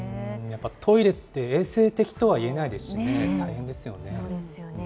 やっぱトイレって衛生的とは言えないですしね、大変ですよね。